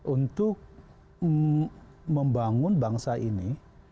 untuk membangun bangsa ini